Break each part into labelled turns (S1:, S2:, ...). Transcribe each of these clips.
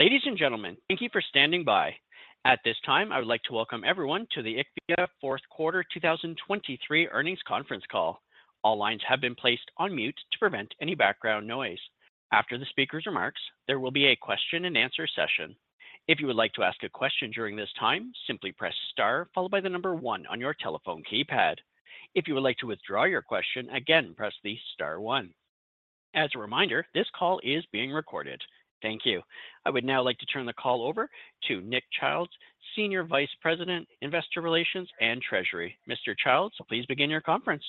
S1: Ladies and gentlemen, thank you for standing by. At this time, I would like to welcome everyone to the IQVIA Fourth Quarter 2023 Earnings Conference Call. All lines have been placed on mute to prevent any background noise. After the speaker's remarks, there will be a question and answer session. If you would like to ask a question during this time, simply press star followed by the number one on your telephone keypad. If you would like to withdraw your question, again, press the star one. As a reminder, this call is being recorded. Thank you. I would now like to turn the call over to Nick Childs, Senior Vice President, Investor Relations and Treasury. Mr. Childs, please begin your conference.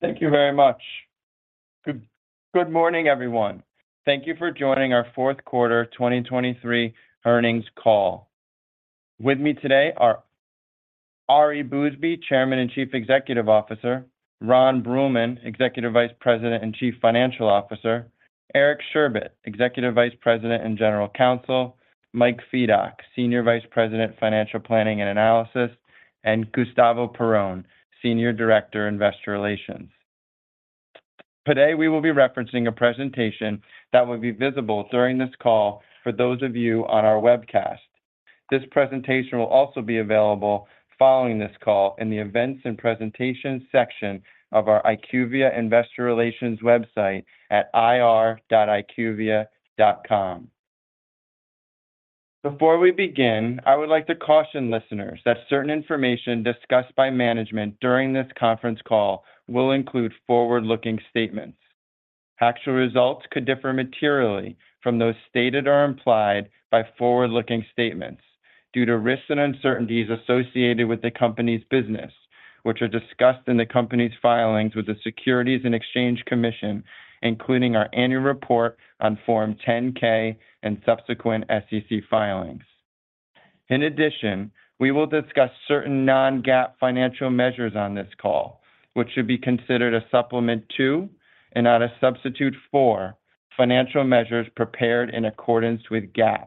S2: Thank you very much. Good morning, everyone. Thank you for joining our fourth quarter 2023 earnings call. With me today are Ari Bousbib, Chairman and Chief Executive Officer, Ron Bruehlman, Executive Vice President and Chief Financial Officer, Eric Sherbet, Executive Vice President and General Counsel, Mike Fedock, Senior Vice President, Financial Planning and Analysis, and Gustavo Perrone, Senior Director, Investor Relations. Today, we will be referencing a presentation that will be visible during this call for those of you on our webcast. This presentation will also be available following this call in the Events and Presentations section of our IQVIA Investor Relations website at ir.iqvia.com. Before we begin, I would like to caution listeners that certain information discussed by management during this conference call will include forward-looking statements. Actual results could differ materially from those stated or implied by forward-looking statements due to risks and uncertainties associated with the company's business, which are discussed in the company's filings with the Securities and Exchange Commission, including our annual report on Form 10-K and subsequent SEC filings. In addition, we will discuss certain non-GAAP financial measures on this call, which should be considered a supplement to, and not a substitute for, financial measures prepared in accordance with GAAP.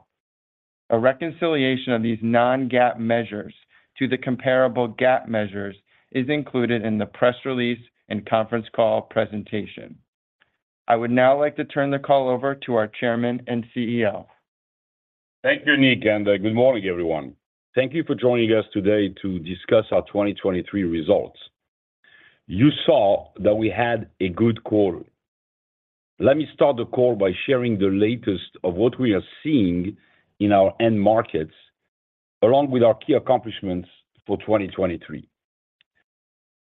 S2: A reconciliation of these non-GAAP measures to the comparable GAAP measures is included in the press release and conference call presentation. I would now like to turn the call over to our Chairman and CEO.
S3: Thank you, Nick, and, good morning, everyone. Thank you for joining us today to discuss our 2023 results. You saw that we had a good quarter. Let me start the call by sharing the latest of what we are seeing in our end markets, along with our key accomplishments for 2023.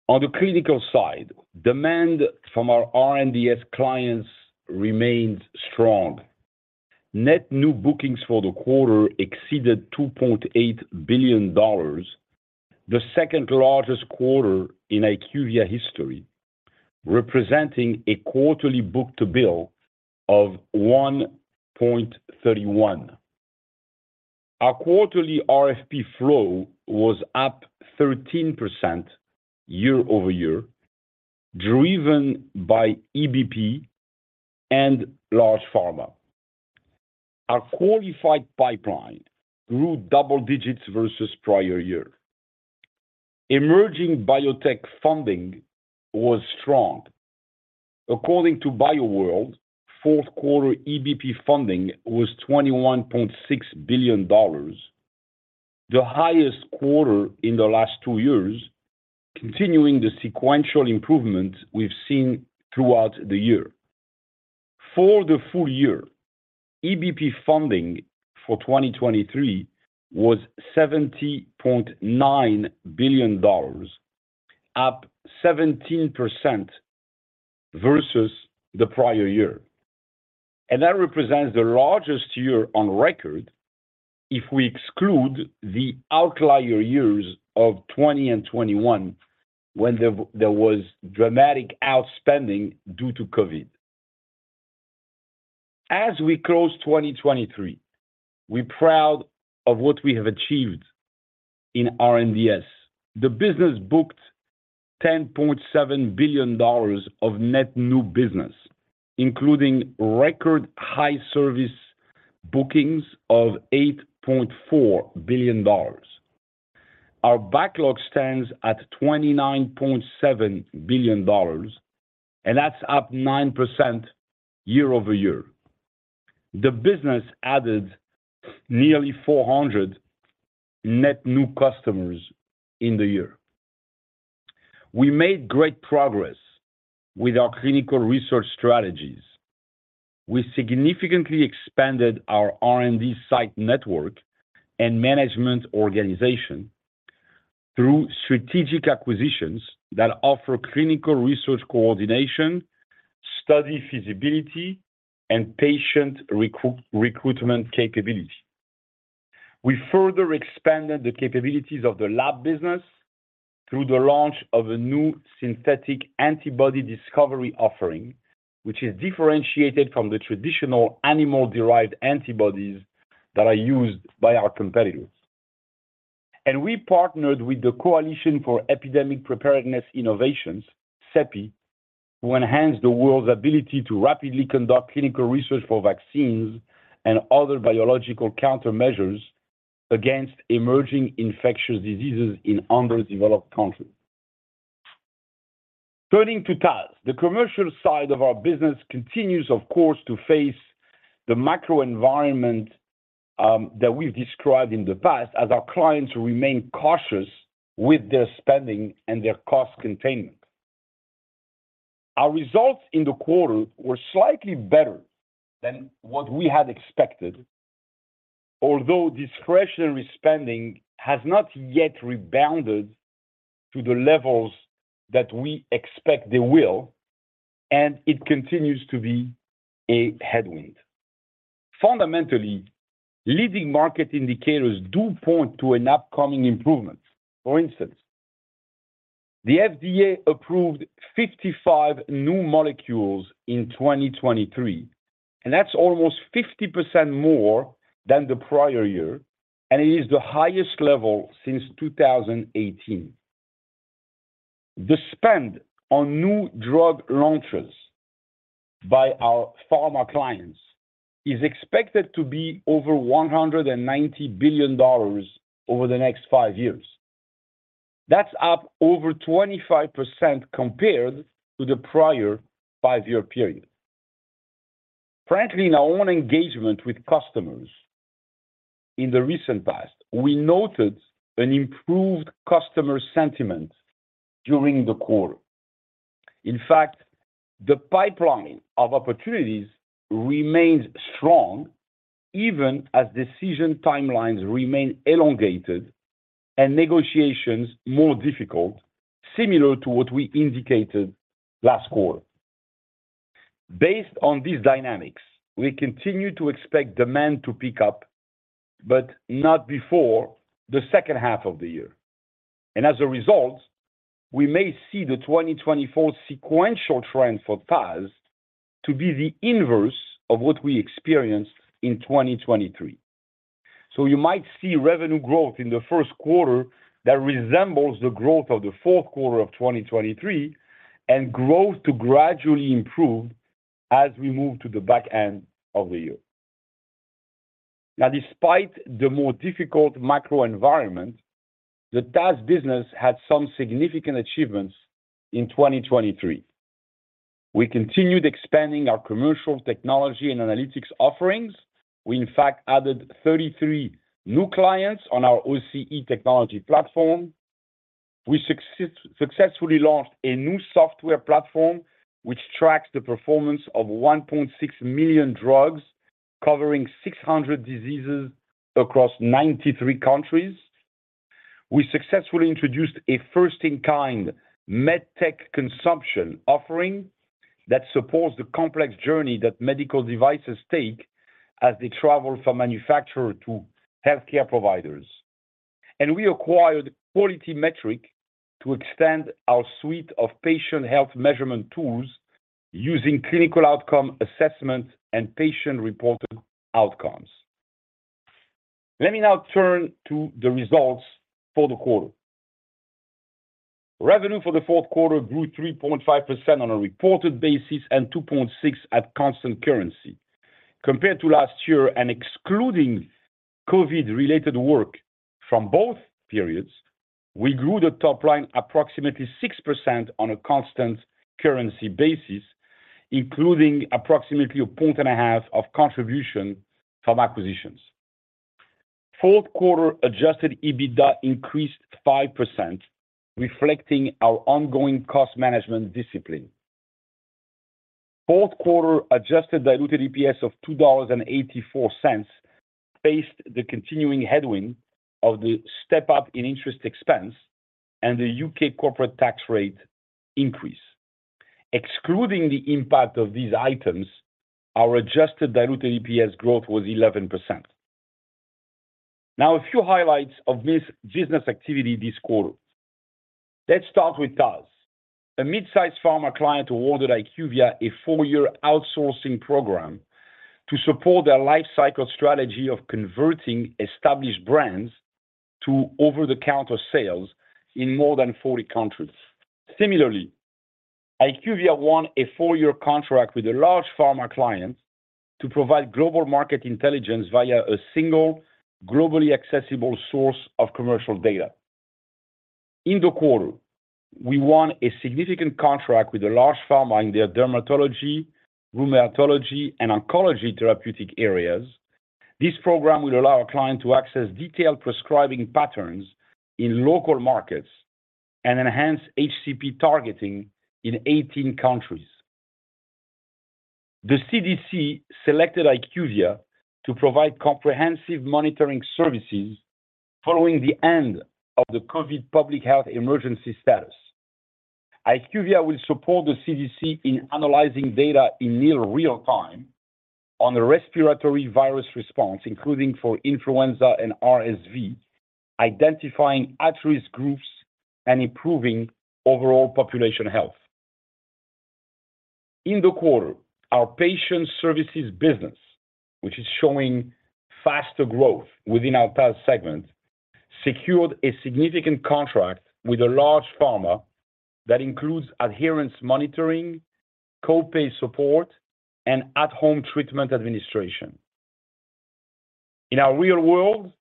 S3: On the clinical side, demand from our R&DS clients remained strong. Net new bookings for the quarter exceeded $2.8 billion, the second largest quarter in IQVIA history, representing a quarterly book-to-bill of 1.31. Our quarterly RFP flow was up 13% year-over-year, driven by EBP and large pharma. Our qualified pipeline grew double digits versus prior year. Emerging biotech funding was strong. According to BioWorld, fourth quarter EBP funding was $21.6 billion, the highest quarter in the last two years, continuing the sequential improvement we've seen throughout the year. For the full year, EBP funding for 2023 was $70.9 billion, up 17% versus the prior year, and that represents the largest year on record if we exclude the outlier years of 2020 and 2021, when there was dramatic outspending due to COVID. As we close 2023, we're proud of what we have achieved in R&DS. The business booked $10.7 billion of net new business, including record-high service bookings of $8.4 billion. Our backlog stands at $29.7 billion, and that's up 9% year-over-year. The business added nearly 400 net new customers in the year. We made great progress with our clinical research strategies. We significantly expanded our R&D site network and management organization through strategic acquisitions that offer clinical research coordination, study feasibility, and patient recruitment capability. We further expanded the capabilities of the lab business through the launch of a new synthetic antibody discovery offering, which is differentiated from the traditional animal-derived antibodies that are used by our competitors. We partnered with the Coalition for Epidemic Preparedness Innovations, CEPI, to enhance the world's ability to rapidly conduct clinical research for vaccines and other biological countermeasures against emerging infectious diseases in under-developed countries. Turning to TAS. The commercial side of our business continues, of course, to face the macro environment that we've described in the past, as our clients remain cautious with their spending and their cost containment. Our results in the quarter were slightly better than what we had expected, although discretionary spending has not yet rebounded to the levels that we expect they will, and it continues to be a headwind. Fundamentally, leading market indicators do point to an upcoming improvement. For instance, the FDA approved 55 new molecules in 2023, and that's almost 50% more than the prior year, and it is the highest level since 2018. The spend on new drug launches by our pharma clients is expected to be over $190 billion over the next five years. That's up over 25% compared to the prior five-year period. Frankly, in our own engagement with customers in the recent past, we noted an improved customer sentiment during the quarter. In fact, the pipeline of opportunities remains strong, even as decision timelines remain elongated and negotiations more difficult, similar to what we indicated last quarter. Based on these dynamics, we continue to expect demand to pick up, but not before the second half of the year. As a result, we may see the 2024 sequential trend for TAS to be the inverse of what we experienced in 2023. You might see revenue growth in the first quarter that resembles the growth of the fourth quarter of 2023, and growth to gradually improve as we move to the back end of the year. Now, despite the more difficult macro environment, the TAS business had some significant achievements in 2023. We continued expanding our commercial technology and analytics offerings. We, in fact, added 33 new clients on our OCE technology platform. We successfully launched a new software platform, which tracks the performance of 1.6 million drugs, covering 600 diseases across 93 countries. We successfully introduced a first-in-kind MedTech consumption offering that supports the complex journey that medical devices take as they travel from manufacturer to healthcare providers. And we acquired QualityMetric to extend our suite of patient health measurement tools using clinical outcome assessment and patient-reported outcomes. Let me now turn to the results for the quarter. Revenue for the fourth quarter grew 3.5% on a reported basis, and 2.6% at constant currency. Compared to last year, and excluding COVID-related work from both periods, we grew the top line approximately 6% on a constant currency basis, including approximately 1.5% of contribution from acquisitions. Fourth quarter adjusted EBITDA increased 5%, reflecting our ongoing cost management discipline. Fourth-quarter adjusted diluted EPS of $2.84 faced the continuing headwind of the step-up in interest expense and the U.K. corporate tax rate increase. Excluding the impact of these items, our adjusted diluted EPS growth was 11%. Now, a few highlights of this business activity this quarter. Let's start with TAS. A mid-size pharma client awarded IQVIA a four-year outsourcing program to support their life cycle strategy of converting established brands to over-the-counter sales in more than 40 countries. Similarly, IQVIA won a four-year contract with a large pharma client to provide global market intelligence via a single, globally accessible source of commercial data. In the quarter, we won a significant contract with a large pharma in their dermatology, rheumatology, and oncology therapeutic areas. This program will allow our client to access detailed prescribing patterns in local markets and enhance HCP targeting in 18 countries. The CDC selected IQVIA to provide comprehensive monitoring services following the end of the COVID public health emergency status. IQVIA will support the CDC in analyzing data in near real time on the respiratory virus response, including for influenza and RSV, identifying at-risk groups and improving overall population health. In the quarter, our patient services business, which is showing faster growth within our TAS segment, secured a significant contract with a large pharma that includes adherence monitoring, copay support, and at-home treatment administration. In our real-world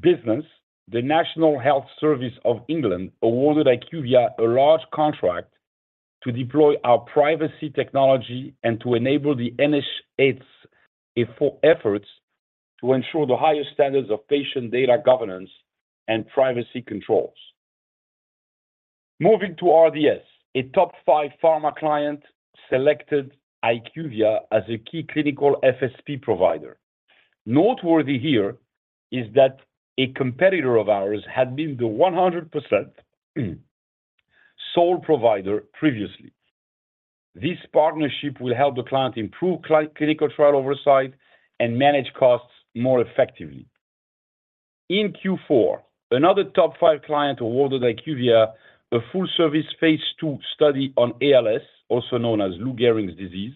S3: business, the National Health Service of England awarded IQVIA a large contract to deploy our privacy technology and to enable the NHS's efforts to ensure the highest standards of patient data governance and privacy controls. Moving to R&DS, a top five pharma client selected IQVIA as a key clinical FSP provider. Noteworthy here is that a competitor of ours had been the 100% sole provider previously. This partnership will help the client improve clinical trial oversight and manage costs more effectively. In Q4, another top five client awarded IQVIA a full-service phase II study on ALS, also known as Lou Gehrig's disease.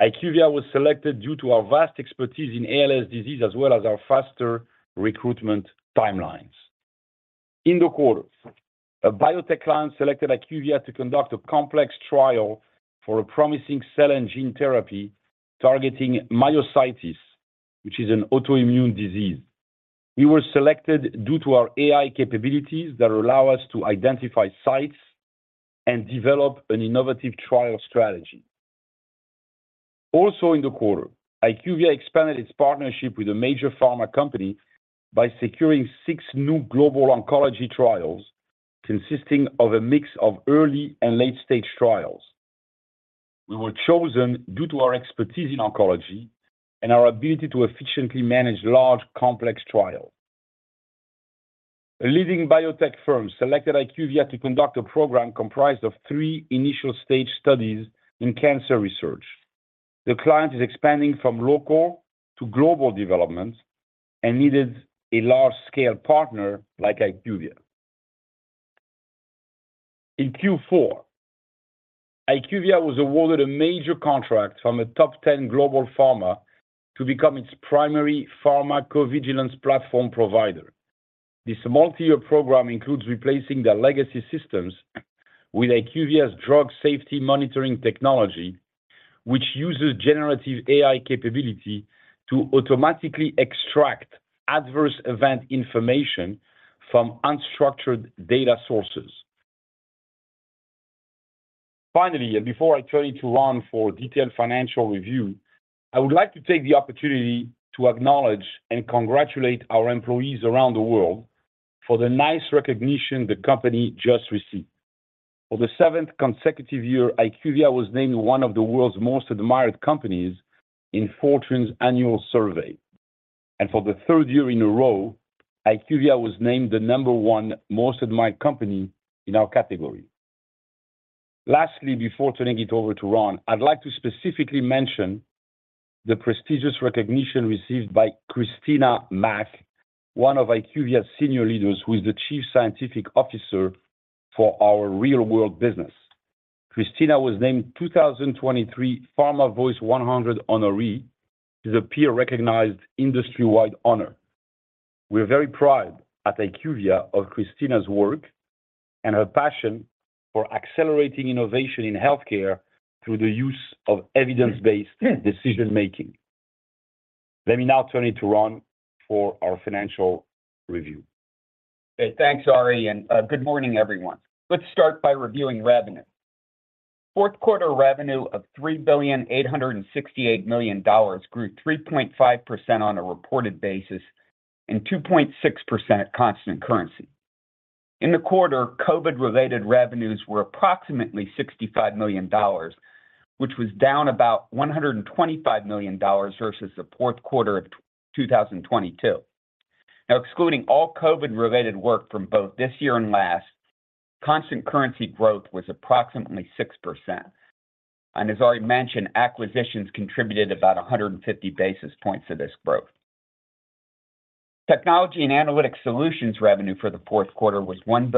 S3: IQVIA was selected due to our vast expertise in ALS disease, as well as our faster recruitment timelines. In the quarter, a biotech client selected IQVIA to conduct a complex trial for a promising cell and gene therapy targeting myositis, which is an autoimmune disease. We were selected due to our AI capabilities that allow us to identify sites and develop an innovative trial strategy. Also in the quarter, IQVIA expanded its partnership with a major pharma company by securing six new global oncology trials, consisting of a mix of early and late-stage trials. We were chosen due to our expertise in oncology and our ability to efficiently manage large, complex trials. A leading biotech firm selected IQVIA to conduct a program comprised of three initial stage studies in cancer research. The client is expanding from local to global development and needed a large-scale partner like IQVIA. In Q4, IQVIA was awarded a major contract from a top 10 global pharma to become its primary pharmacovigilance platform provider. This multi-year program includes replacing their legacy systems with IQVIA's drug safety monitoring technology, which uses generative AI capability to automatically extract adverse event information from unstructured data sources. Finally, and before I turn it to Ron for a detailed financial review, I would like to take the opportunity to acknowledge and congratulate our employees around the world for the nice recognition the company just received. For the seventh consecutive year, IQVIA was named one of the World's Most Admired Companies in Fortune's annual survey. For the third year in a row, IQVIA was named the number one most admired company in our category. Lastly, before turning it over to Ron, I'd like to specifically mention the prestigious recognition received by Christina Mack, one of IQVIA's senior leaders, who is the Chief Scientific Officer for our real-world business. Christina was named 2023 PharmaVoice 100 honoree. It is a peer-recognized, industry-wide honor. We're very proud at IQVIA of Christina's work and her passion for accelerating innovation in healthcare through the use of evidence-based decision making. Let me now turn it to Ron for our financial review.
S4: Okay, thanks, Ari, and good morning, everyone. Let's start by reviewing revenue. Fourth quarter revenue of $3.868 billion grew 3.5% on a reported basis and 2.6% at constant currency. In the quarter, COVID-related revenues were approximately $65 million, which was down about $125 million versus the fourth quarter of 2022. Now, excluding all COVID-related work from both this year and last, constant currency growth was approximately 6%. As already mentioned, acquisitions contributed about 150 basis points to this growth. Technology and Analytics Solutions revenue for the fourth quarter was $1.531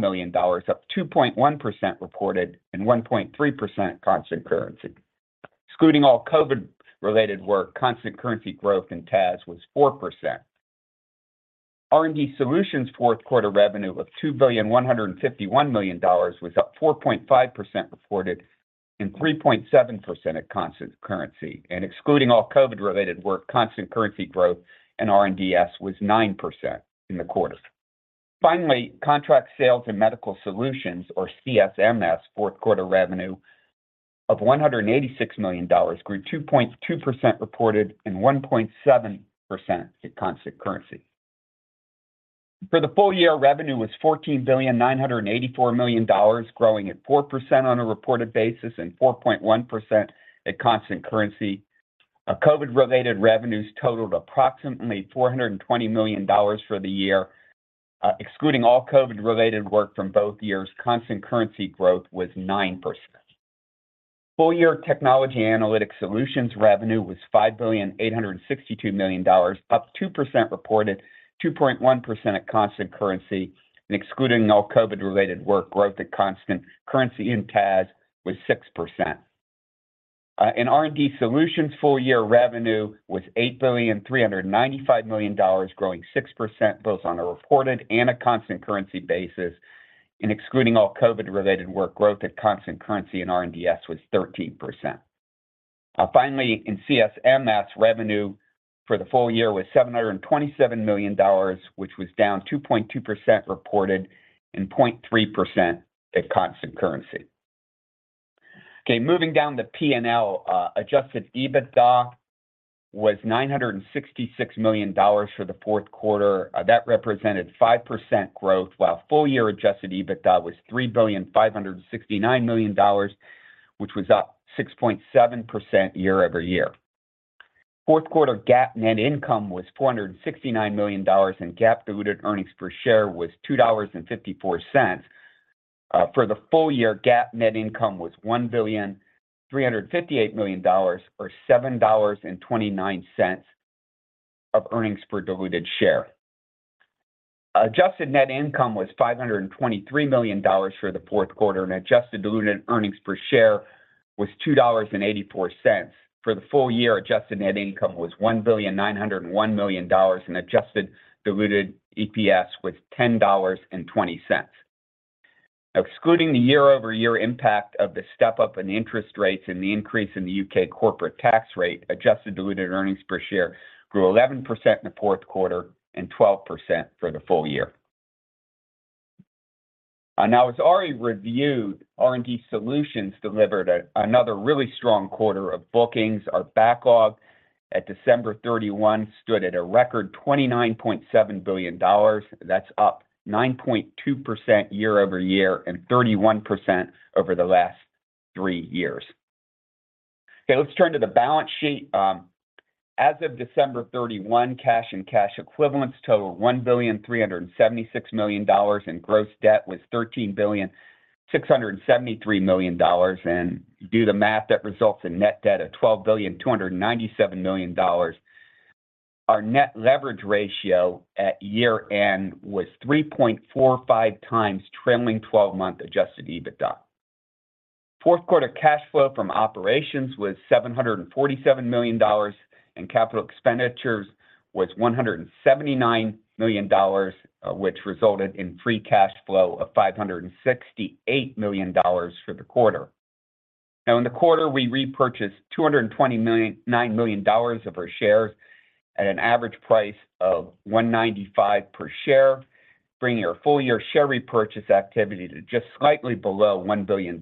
S4: billion, up 2.1% reported and 1.3% constant currency. Excluding all COVID-related work, constant currency growth in TAS was 4%. R&D Solutions' fourth quarter revenue of $2.151 billion was up 4.5% reported and 3.7% at constant currency. Excluding all COVID-related work, constant currency growth in R&DS was 9% in the quarter. Finally, Contract Sales and Medical Solutions, or CSMS, fourth quarter revenue of $186 million grew 2.2% reported and 1.7% at constant currency. For the full year, revenue was $14.984 billion, growing at 4% on a reported basis and 4.1% at constant currency. COVID-related revenues totaled approximately $420 million for the year. Excluding all COVID-related work from both years, constant currency growth was 9%. Full-year Technology & Analytics Solutions revenue was $5.862 billion, up 2% reported, 2.1% at constant currency. Excluding all COVID-related work, growth at constant currency in TAS was 6%. In R&D Solutions, full-year revenue was $8.395 billion, growing 6% both on a reported and a constant currency basis. Excluding all COVID-related work, growth at constant currency in R&DS was 13%. Finally, in CSMS, that's revenue for the full year was $727 million, which was down 2.2% reported and 0.3% at constant currency. Okay, moving down the P&L, adjusted EBITDA was $966 million for the fourth quarter. That represented 5% growth, while full-year adjusted EBITDA was $3.569 billion, which was up 6.7% year-over-year. Fourth quarter GAAP net income was $469 million, and GAAP diluted earnings per share was $2.54. For the full year, GAAP net income was $1.358 billion, or $7.29 per diluted share. Adjusted net income was $523 million for the fourth quarter, and adjusted diluted earnings per share was $2.84. For the full year, adjusted net income was $1.901 billion, and adjusted diluted EPS was $10.20. Excluding the year-over-year impact of the step-up in interest rates and the increase in the U.K. corporate tax rate, adjusted diluted earnings per share grew 11% in the fourth quarter and 12% for the full year. And now, as already reviewed, R&D Solutions delivered another really strong quarter of bookings. Our backlog at December 31 stood at a record $29.7 billion. That's up 9.2% year-over-year and 31% over the last three years. Okay, let's turn to the balance sheet. As of December 31, cash and cash equivalents total $1.376 billion, and gross debt was $13.673 billion. And do the math, that results in net debt of $12.297 billion. Our net leverage ratio at year-end was 3.45x trailing 12-month adjusted EBITDA. Fourth quarter cash flow from operations was $747 million, and capital expenditures was $179 million, which resulted in free cash flow of $568 million for the quarter. Now, in the quarter, we repurchased $229 million of our shares at an average price of $195 per share, bringing our full-year share repurchase activity to just slightly below $1 billion.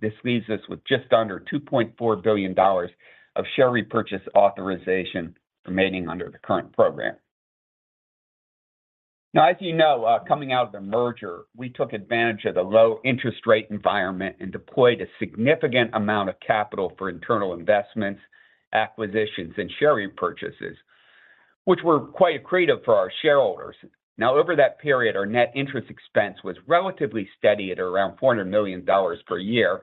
S4: This leaves us with just under $2.4 billion of share repurchase authorization remaining under the current program. Now, as you know, coming out of the merger, we took advantage of the low interest rate environment and deployed a significant amount of capital for internal investments, acquisitions, and share repurchases, which were quite accretive for our shareholders. Now, over that period, our net interest expense was relatively steady at around $400 million per year.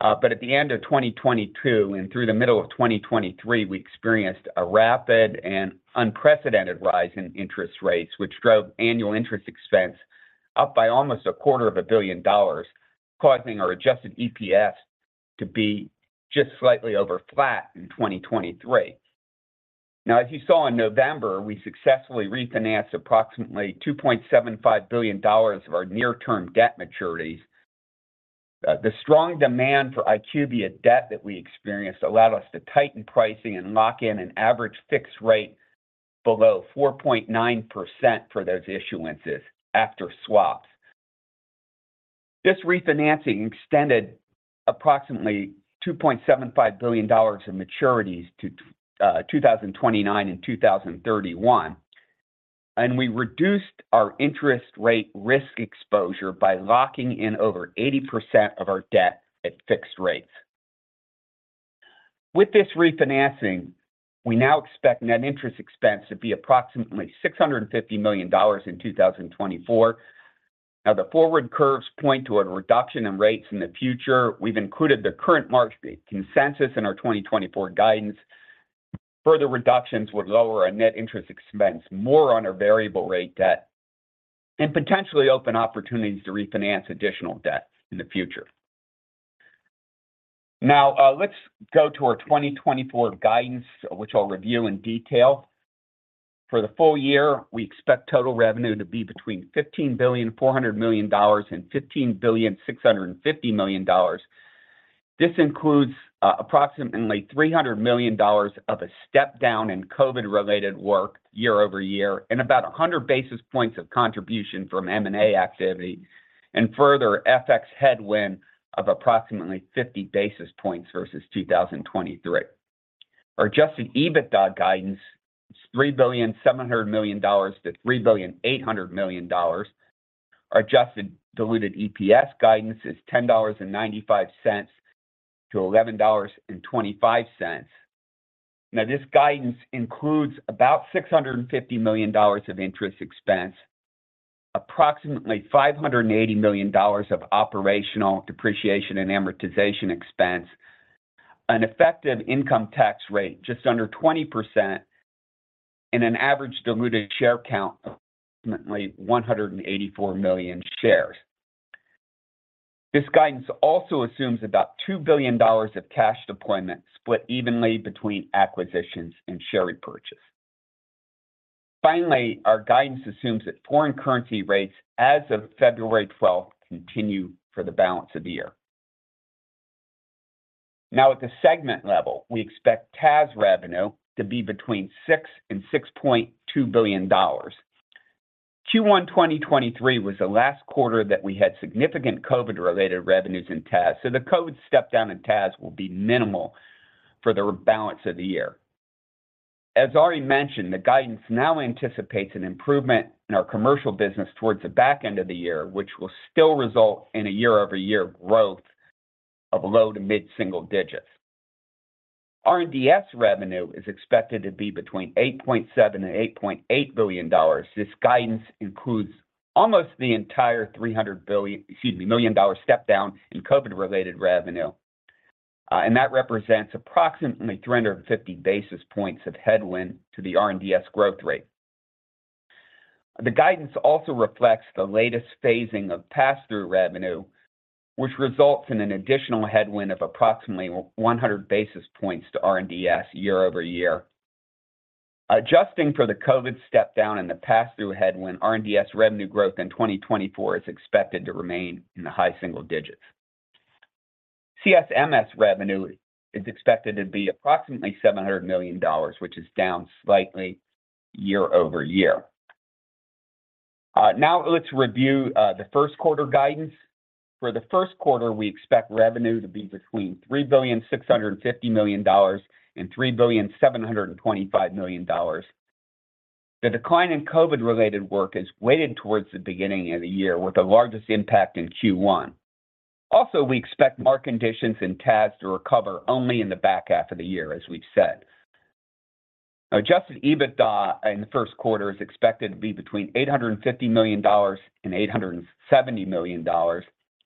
S4: But at the end of 2022 and through the middle of 2023, we experienced a rapid and unprecedented rise in interest rates, which drove annual interest expense up by almost $250 million, causing our adjusted EPS to be just slightly over flat in 2023. Now, as you saw in November, we successfully refinanced approximately $2.75 billion of our near-term debt maturities. The strong demand for IQVIA debt that we experienced allowed us to tighten pricing and lock in an average fixed rate below 4.9% for those issuances after swaps. This refinancing extended approximately $2.75 billion in maturities to 2029 and 2031, and we reduced our interest rate risk exposure by locking in over 80% of our debt at fixed rates. With this refinancing, we now expect net interest expense to be approximately $650 million in 2024. Now, the forward curves point to a reduction in rates in the future. We've included the current market consensus in our 2024 guidance. Further reductions would lower our net interest expense more on our variable rate debt and potentially open opportunities to refinance additional debt in the future. Now, let's go to our 2024 guidance, which I'll review in detail. For the full year, we expect total revenue to be between $15.4 billion and $15.65 billion. This includes, approximately $300 million of a step down in COVID-related work year-over-year, and about 100 basis points of contribution from M&A activity, and further, FX headwind of approximately 50 basis points versus 2023. Our adjusted EBITDA guidance is $3.7 billion-$3.8 billion. Our adjusted diluted EPS guidance is $10.95-$11.25. Now, this guidance includes about $650 million of interest expense, approximately $580 million of operational depreciation and amortization expense, an effective income tax rate just under 20%, and an average diluted share count of approximately 184 million shares. This guidance also assumes about $2 billion of cash deployment, split evenly between acquisitions and share repurchase. Finally, our guidance assumes that foreign currency rates as of February 12 continue for the balance of the year. Now, at the segment level, we expect TAS revenue to be between $6 billion and $6.2 billion. Q1 2023 was the last quarter that we had significant COVID-related revenues in TAS, so the COVID step down in TAS will be minimal for the balance of the year. As Ari mentioned, the guidance now anticipates an improvement in our commercial business towards the back end of the year, which will still result in a year-over-year growth of low- to mid-single digits. R&DS revenue is expected to be between $8.7 billion and $8.8 billion. This guidance includes almost the entire $300 million step down in COVID-related revenue, excuse me, and that represents approximately 350 basis points of headwind to the R&DS growth rate. The guidance also reflects the latest phasing of pass-through revenue, which results in an additional headwind of approximately 100 basis points to R&DS year-over-year. Adjusting for the COVID step down and the pass-through headwind, R&DS revenue growth in 2024 is expected to remain in the high single digits. CSMS revenue is expected to be approximately $700 million, which is down slightly year-over-year. Now let's review the first quarter guidance. For the first quarter, we expect revenue to be between $3.65 billion and $3.725 billion. The decline in COVID-related work is weighted towards the beginning of the year, with the largest impact in Q1. Also, we expect market conditions in TAS to recover only in the back half of the year, as we've said. Now, adjusted EBITDA in the first quarter is expected to be between $850 million and $870 million,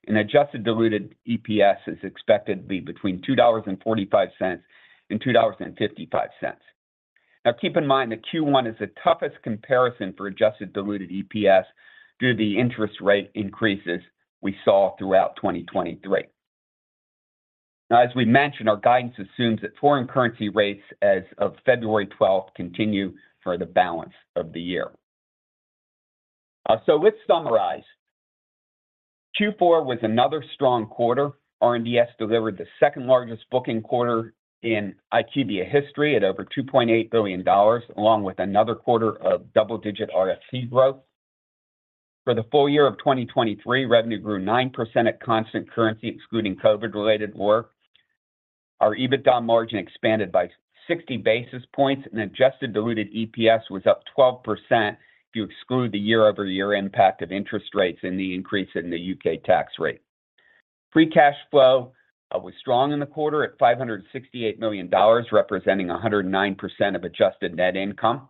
S4: and adjusted diluted EPS is expected to be between $2.45 and $2.55. Now, keep in mind that Q1 is the toughest comparison for adjusted diluted EPS due to the interest rate increases we saw throughout 2023. Now, as we mentioned, our guidance assumes that foreign currency rates as of February 12 continue for the balance of the year. So let's summarize. Q4 was another strong quarter. R&DS delivered the second-largest booking quarter in IQVIA history at over $2.8 billion, along with another quarter of double-digit RFP growth. For the full year of 2023, revenue grew 9% at constant currency, excluding COVID-related work. Our EBITDA margin expanded by 60 basis points, and adjusted diluted EPS was up 12% if you exclude the year-over-year impact of interest rates and the increase in the U.K. tax rate. Free cash flow was strong in the quarter at $568 million, representing 109% of adjusted net income.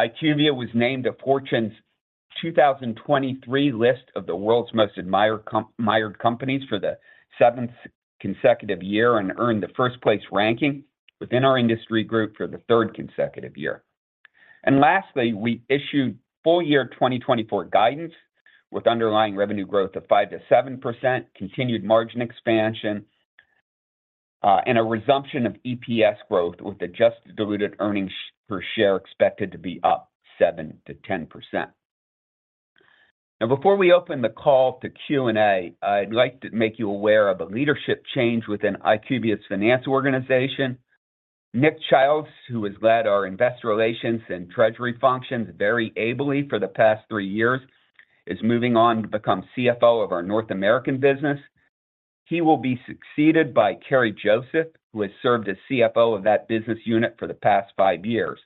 S4: IQVIA was named a Fortune's 2023 list of the World's Most Admired Companies for the seventh consecutive year and earned the first place ranking within our industry group for the third consecutive year. Lastly, we issued full year 2024 guidance, with underlying revenue growth of 5%-7%, continued margin expansion, and a resumption of EPS growth, with adjusted diluted earnings per share expected to be up 7%-10%. Now, before we open the call to Q&A, I'd like to make you aware of a leadership change within IQVIA's finance organization. Nick Childs, who has led our investor relations and treasury functions very ably for the past three years, is moving on to become CFO of our North American business. He will be succeeded by Kerri Joseph, who has served as CFO of that business unit for the past five years.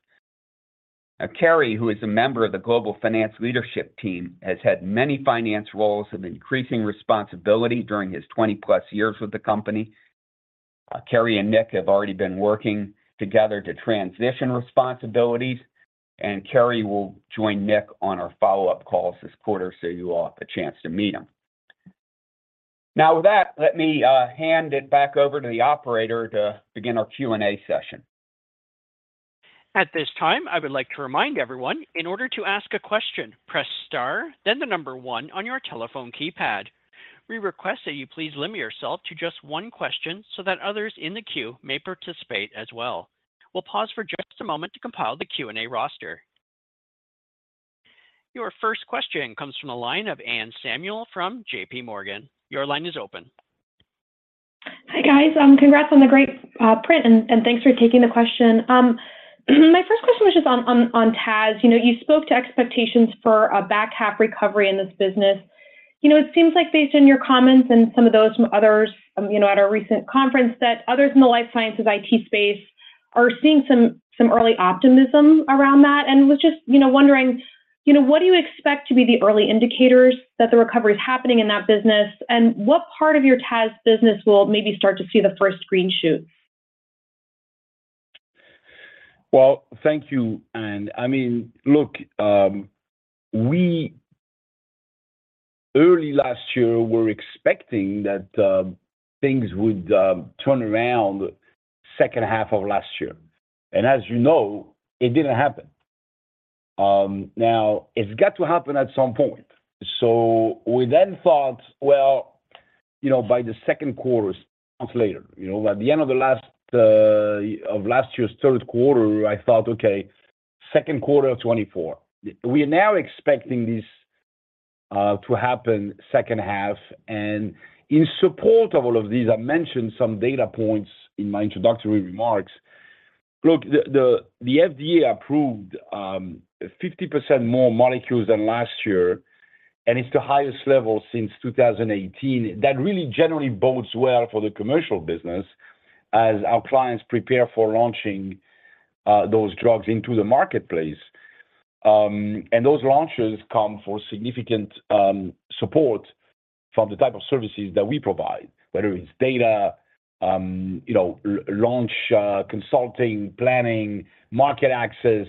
S4: Now, Kerri, who is a member of the Global Finance Leadership Team, has had many finance roles of increasing responsibility during his 20+ years with the company. Kerri and Nick have already been working together to transition responsibilities, and Kerri will join Nick on our follow-up calls this quarter, so you will have a chance to meet him. Now, with that, let me hand it back over to the operator to begin our Q&A session.
S1: At this time, I would like to remind everyone, in order to ask a question, press star, then the number one on your telephone keypad. We request that you please limit yourself to just one question so that others in the queue may participate as well. We'll pause for just a moment to compile the Q&A roster. Your first question comes from the line of Anne Samuel from J.P. Morgan. Your line is open.
S5: Hi, guys, congrats on the great print, and thanks for taking the question. My first question was just on TAS. You know, you spoke to expectations for a back-half recovery in this business. You know, it seems like based on your comments and some of those from others, you know, at our recent conference, that others in the life sciences IT space are seeing some early optimism around that. And was just, you know, wondering, you know, what do you expect to be the early indicators that the recovery is happening in that business? And what part of your TAS business will maybe start to see the first green shoots?
S3: Well, thank you, Anne. I mean, look, we early last year were expecting that, things would turn around the second half of last year, and as you know, it didn't happen. Now it's got to happen at some point. So we then thought, well, you know, by the second quarter, months later, you know, by the end of the last, of last year's third quarter, I thought, "Okay, second quarter of 2024." We are now expecting this, to happen second half. And in support of all of these, I mentioned some data points in my introductory remarks. Look, the, the, the FDA approved, 50% more molecules than last year, and it's the highest level since 2018. That really generally bodes well for the commercial business as our clients prepare for launching, those drugs into the marketplace. And those launches come for significant support from the type of services that we provide, whether it's data, you know, launch, consulting, planning, market access,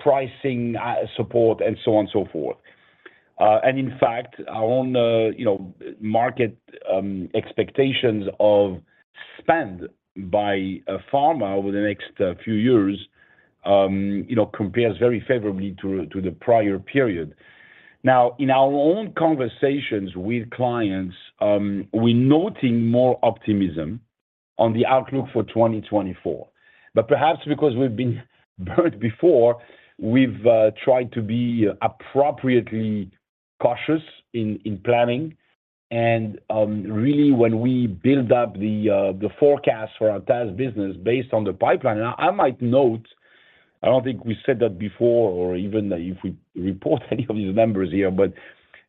S3: pricing, support, and so on and so forth. And in fact, our own, you know, market expectations of spend by pharma over the next few years, you know, compares very favorably to the prior period. Now, in our own conversations with clients, we're noting more optimism on the outlook for 2024. But perhaps because we've been burnt before, we've tried to be appropriately cautious in planning. Really, when we build up the forecast for our TAS business based on the pipeline. I might note, I don't think we said that before, or even if we report any of these numbers here, but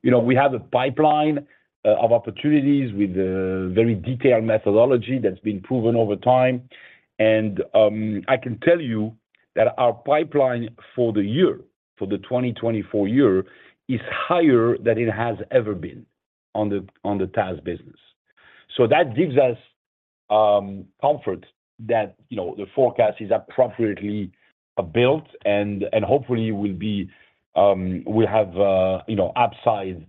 S3: you know, we have a pipeline of opportunities with a very detailed methodology that's been proven over time. I can tell you that our pipeline for the year, for the 2024 year, is higher than it has ever been on the TAS business. So that gives us comfort that you know, the forecast is appropriately built, and hopefully will be, we have you know upside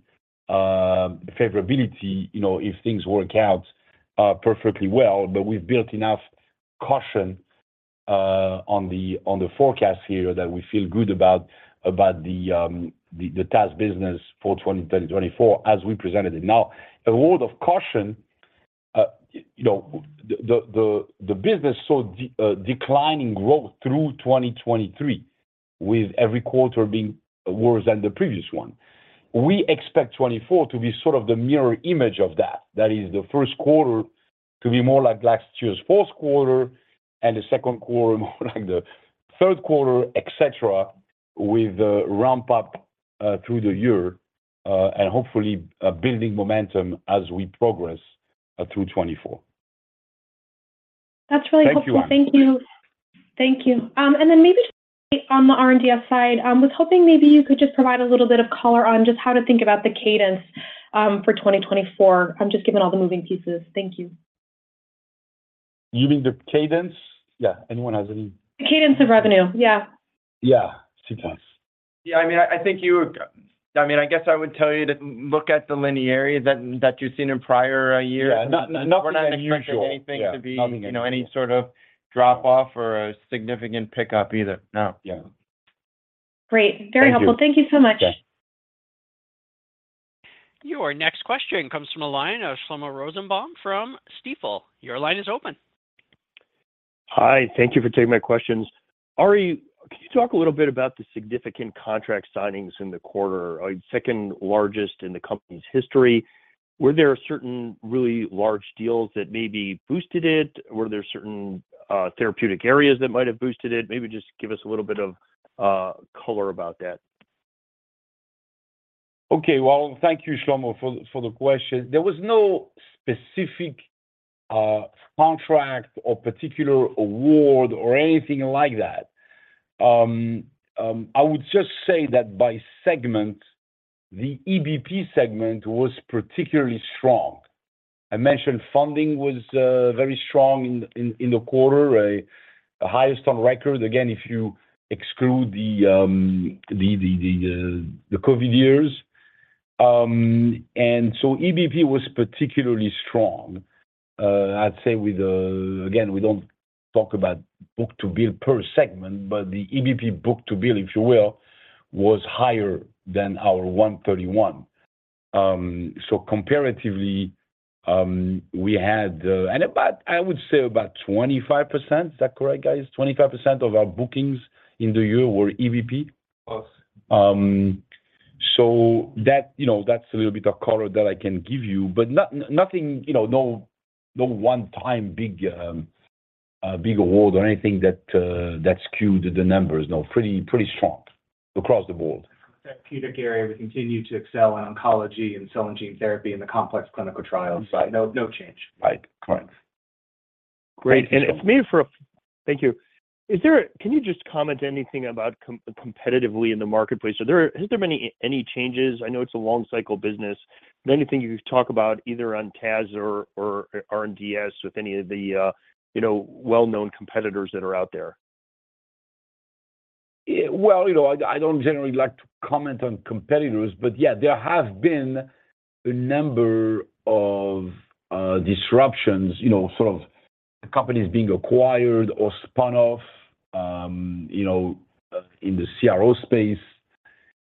S3: favorability you know, if things work out perfectly well. But we've built enough caution on the forecast here that we feel good about the TAS business for 2024, as we presented it. Now, a word of caution, you know, the business saw declining growth through 2023, with every quarter being worse than the previous one. We expect 2024 to be sort of the mirror image of that. That is, the first quarter to be more like last year's fourth quarter, and the second quarter more like the third quarter, et cetera, with a ramp up through the year, and hopefully building momentum as we progress through 2024.
S5: That's really helpful.
S3: Thank you, Anne.
S5: Thank you. Thank you. And then maybe on the R&DS side, I was hoping maybe you could just provide a little bit of color on just how to think about the cadence for 2024. Just given all the moving pieces. Thank you.
S3: You mean the cadence? Yeah. Anyone has any
S5: The cadence of revenue, yeah.
S3: Yeah. Seems nice.
S2: Yeah, I mean, I think you. I mean, I guess I would tell you to look at the linearity that you've seen in prior years.
S3: Yeah, nothing unusual.
S2: We're not expecting anything to be-
S3: Nothing unusual
S2: You know, any sort of drop-off or a significant pickup either. No.
S3: Yeah.
S5: Great.
S3: Thank you.
S5: Very helpful. Thank you so much.
S3: Yeah.
S1: Your next question comes from the line of Shlomo Rosenbaum from Stifel. Your line is open.
S6: Hi, thank you for taking my questions. Ari, can you talk a little bit about the significant contract signings in the quarter, second largest in the company's history? Were there certain really large deals that maybe boosted it? Were there certain therapeutic areas that might have boosted it? Maybe just give us a little bit of color about that.
S3: Okay. Well, thank you, Shlomo, for the question. There was no specific contract or particular award or anything like that. I would just say that by segment, the EBP segment was particularly strong. I mentioned funding was very strong in the quarter, the highest on record. Again, if you exclude the COVID years. And so EBP was particularly strong. I'd say with the—Again, we don't talk about book to bill per segment, but the EBP book to bill, if you will, was higher than our 1.31. So comparatively, we had. And about, I would say about 25%. Is that correct, guys? 25% of our bookings in the year were EBP.
S2: Yes.
S3: So that, you know, that's a little bit of color that I can give you, but nothing, you know, no, no one-time big big award or anything that that skewed the numbers. No, pretty, pretty strong across the board.
S2: Therapeutic area, we continue to excel in Oncology and Cell and Gene Therapy and the complex clinical trials. So no, no change.
S3: Right. Correct.
S6: Great.
S3: Thank you so much.
S6: Thank you. Can you just comment anything about competitively in the marketplace? Has there been any changes? I know it's a long cycle business. But anything you could talk about either on TAS or R&DS with any of the, you know, well-known competitors that are out there?
S3: Yeah, well, you know, I don't generally like to comment on competitors, but yeah, there have been a number of disruptions, you know, the company is being acquired or spun off, you know, in the CRO space.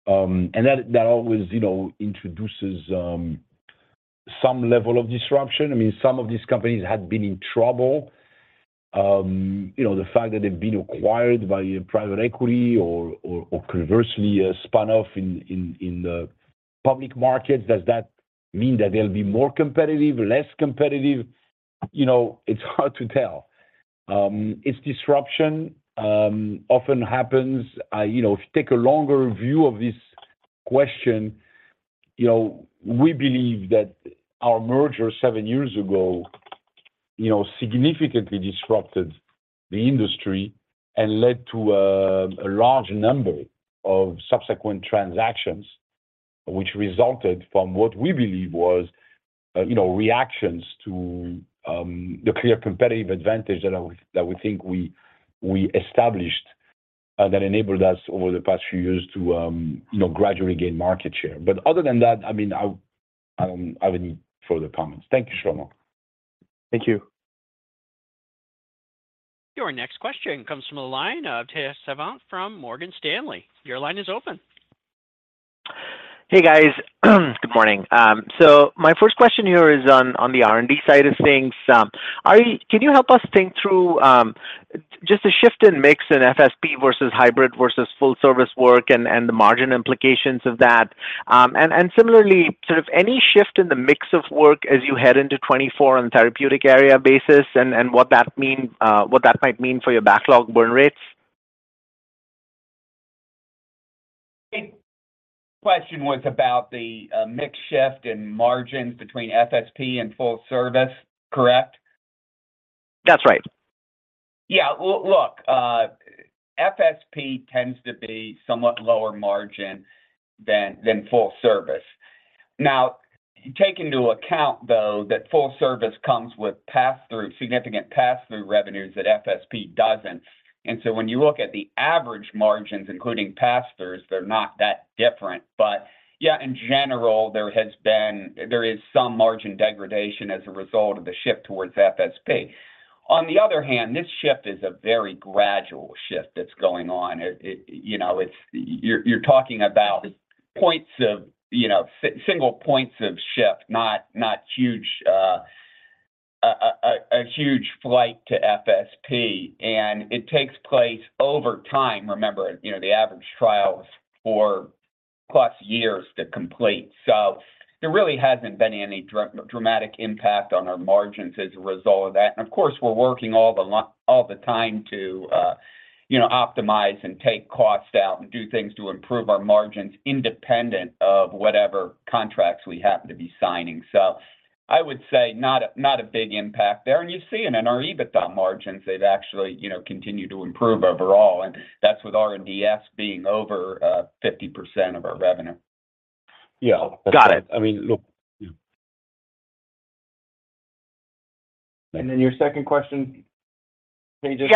S3: And that always, you know, introduces some level of disruption. I mean, some of these companies had been in trouble. You know, the fact that they've been acquired by private equity or conversely, spun off in the public markets, does that mean that they'll be more competitive, less competitive? You know, it's hard to tell. It's disruption, often happens. You know, if you take a longer view of this question, you know, we believe that our merger seven years ago, you know, significantly disrupted the industry and led to a large number of subsequent transactions, which resulted from what we believe was, you know, reactions to the clear competitive advantage that we think we established, that enabled us over the past few years to, you know, gradually gain market share. But other than that, I mean, I wouldn't further comment. Thank you, Shlomo.
S6: Thank you.
S1: Your next question comes from the line of Tejas Savant from Morgan Stanley. Your line is open.
S7: Hey, guys. Good morning. My first question here is on the R&D side of things. Can you help us think through just a shift in mix in FSP versus hybrid versus full service work and the margin implications of that? Similarly, sort of any shift in the mix of work as you head into 2024 on therapeutic area basis, and what that might mean for your backlog burn rates?
S4: The question was about the mix shift and margins between FSP and full service, correct?
S7: That's right.
S4: Yeah. Well, look, FSP tends to be somewhat lower margin than full service. Now, take into account, though, that full service comes with pass-through, significant pass-through revenues that FSP doesn't. And so when you look at the average margins, including pass-throughs, they're not that different. But yeah, in general, there has been. There is some margin degradation as a result of the shift towards FSP. On the other hand, this shift is a very gradual shift that's going on. It, you know, it's. You're talking about points of, you know, single points of shift, not huge, a huge flight to FSP. And it takes place over time. Remember, you know, the average trial is four plus years to complete, so there really hasn't been any dramatic impact on our margins as a result of that. Of course, we're working all the time to, you know, optimize and take costs out and do things to improve our margins, independent of whatever contracts we happen to be signing. I would say not a, not a big impact there. You see in our EBITDA margins, they've actually, you know, continued to improve overall, and that's with R&DS being over 50% of our revenue.
S3: Yeah.
S7: Got it.
S3: I mean, look, yeah.
S4: And then your second question, can you just-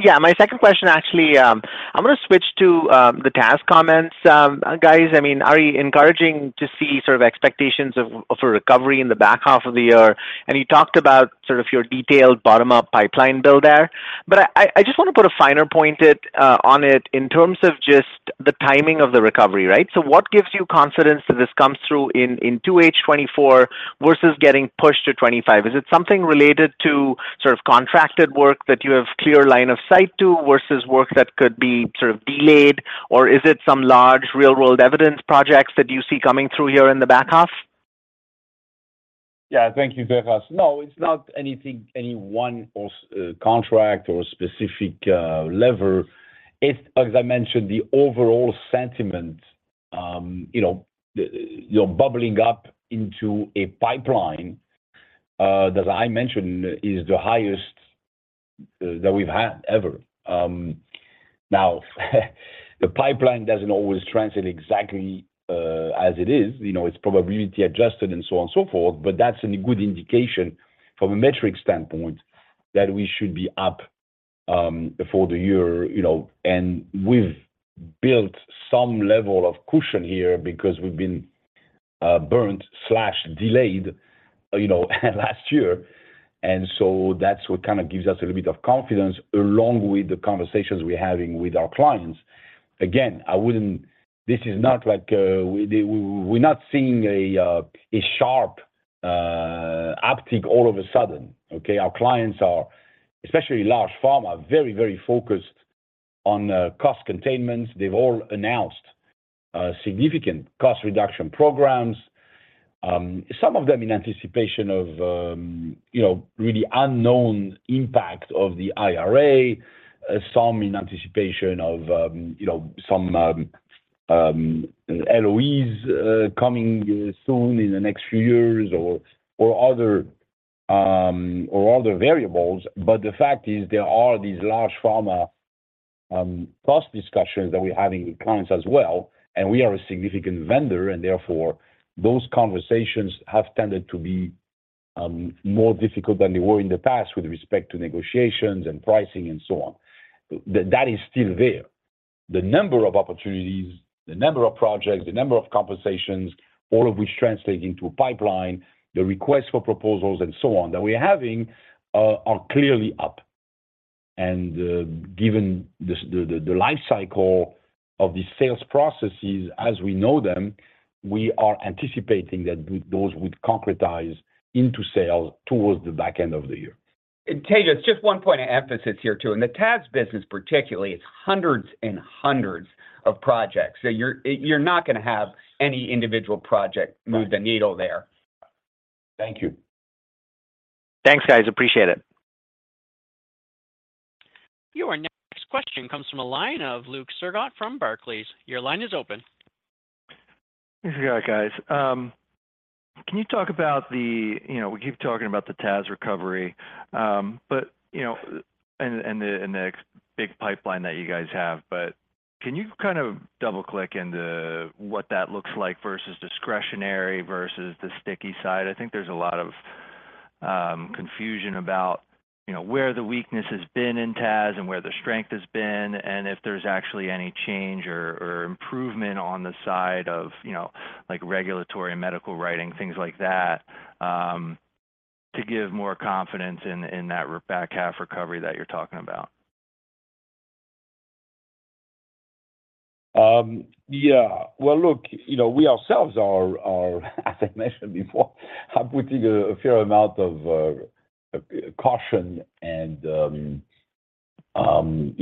S7: Yeah, my second question actually, I'm going to switch to the TAS comments. Guys, I mean, are you encouraging to see sort of expectations of a recovery in the back half of the year? And you talked about sort of your detailed bottom-up pipeline build there. But I just want to put a finer point on it in terms of just the timing of the recovery, right? So what gives you confidence that this comes through in 2H 2024 versus getting pushed to 2025? Is it something related to sort of contracted work that you have clear line of sight to, versus work that could be sort of delayed? Or is it some large real-world evidence projects that you see coming through here in the back half?
S3: Yeah. Thank you, Tejas. No, it's not anything, any one or contract or specific lever. It's, as I mentioned, the overall sentiment, you know, you're bubbling up into a pipeline that I mentioned is the highest that we've had ever. Now, the pipeline doesn't always translate exactly as it is. You know, it's probability adjusted and so on and so forth, but that's a good indication from a metric standpoint, that we should be up for the year, you know. And we've built some level of cushion here because we've been burned or delayed, you know, last year. And so that's what kind of gives us a little bit of confidence, along with the conversations we're having with our clients. Again, I wouldn't—this is not like, we, we're not seeing a sharp uptick all of a sudden, okay? Our clients are, especially large pharma, very, very focused on cost containments. They've all announced significant cost reduction programs. Some of them in anticipation of, you know, really unknown impact of the IRA, some in anticipation of, you know, some LOEs coming soon in the next few years or, or other or other variables. But the fact is, there are these large pharma cost discussions that we're having with clients as well, and we are a significant vendor, and therefore, those conversations have tended to be more difficult than they were in the past with respect to negotiations and pricing and so on. That is still there. The number of opportunities, the number of projects, the number of conversations, all of which translate into a pipeline, the request for proposals and so on, that we're having, are clearly up. And, given the life cycle of these sales processes as we know them, we are anticipating that those would concretize into sales towards the back end of the year.
S4: Tejas, just one point of emphasis here, too. In the TAS business particularly, it's hundreds and hundreds of projects. So you're, you're not gonna have any individual project move the needle there.
S3: Thank you.
S7: Thanks, guys. Appreciate it.
S1: Your next question comes from a line of Luke Sergott from Barclays. Your line is open.
S8: Yeah, guys. Can you talk about the, you know, we keep talking about the TAS recovery, but, you know, and the big pipeline that you guys have, but can you kind of double-click into what that looks like versus discretionary versus the sticky side? I think there's a lot of confusion about, you know, where the weakness has been in TAS and where the strength has been, and if there's actually any change or improvement on the side of, you know, like regulatory and medical writing, things like that, to give more confidence in that back half recovery that you're talking about.
S3: Yeah. Well, look, you know, we ourselves are, as I mentioned before, putting a fair amount of caution and, you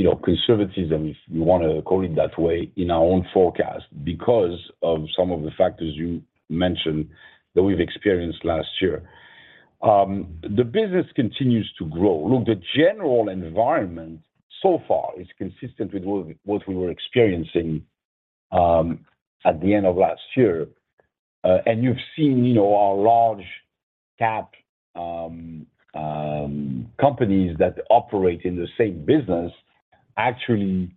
S3: know, conservatism, if you wanna call it that way, in our own forecast because of some of the factors you mentioned that we've experienced last year. The business continues to grow. Look, the general environment so far is consistent with what we were experiencing at the end of last year. And you've seen, you know, our large cap companies that operate in the same business actually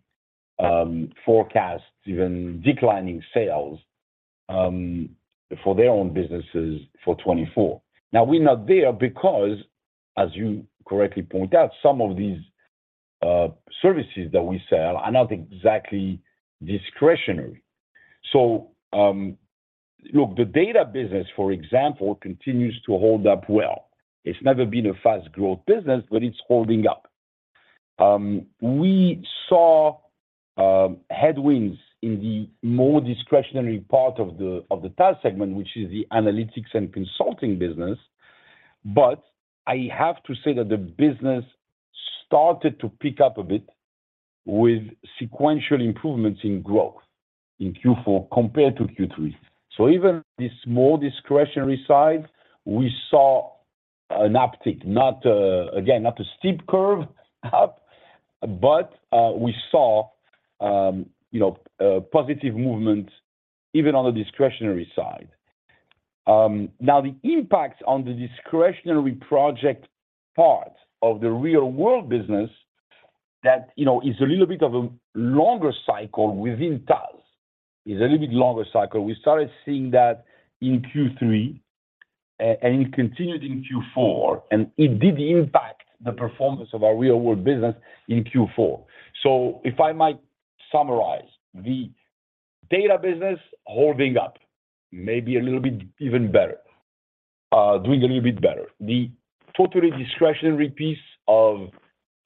S3: forecast even declining sales for their own businesses for 2024. Now, we're not there because, as you correctly point out, some of these services that we sell are not exactly discretionary. So, look, the data business, for example, continues to hold up well. It's never been a fast growth business, but it's holding up. We saw headwinds in the more discretionary part of the TAS segment, which is the analytics and consulting business. But I have to say that the business started to pick up a bit with sequential improvements in growth in Q4 compared to Q3. So even this more discretionary side, we saw an uptick. Not again, not a steep curve up, but we saw you know positive movement even on the discretionary side. Now, the impact on the discretionary project part of the real world business that you know is a little bit of a longer cycle within TAS. We started seeing that in Q3, and it continued in Q4, and it did impact the performance of our real world business in Q4. So if I might summarize, the data business holding up, maybe a little bit even better, doing a little bit better. The totally discretionary piece of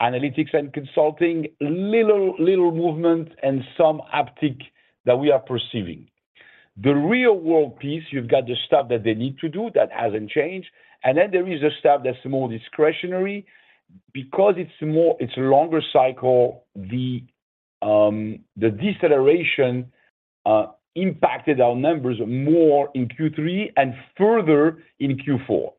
S3: analytics and consulting, little movement and some uptick that we are perceiving. The Real World piece, you've got the stuff that they need to do, that hasn't changed, and then there is the stuff that's more discretionary. Because it's more, it's a longer cycle, the deceleration impacted our numbers more in Q3 and further in Q4.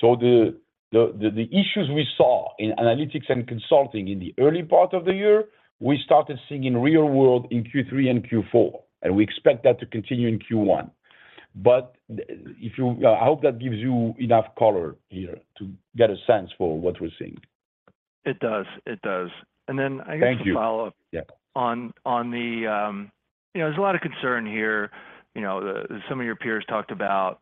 S3: So the issues we saw in analytics and consulting in the early part of the year, we started seeing in Real World in Q3 and Q4, and we expect that to continue in Q1. But if you. I hope that gives you enough color here to get a sense for what we're seeing.
S8: It does. It does. And then I guess-
S3: Thank you
S8: .....to follow up-
S3: Yeah...
S8: on the, you know, there's a lot of concern here. You know, the, some of your peers talked about